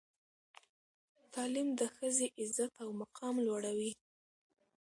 تعلیم د ښځې عزت او مقام لوړوي.